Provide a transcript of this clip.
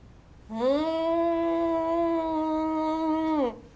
うん！